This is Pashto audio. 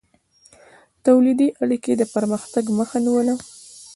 تولیدي اړیکې د پرمختګ مخه نیوله.